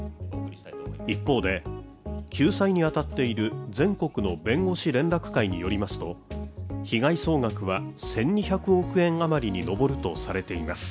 一方で、救済に当たっている全国の弁護士連絡会によりますと被害総額は１２００億円余りに上るとされています。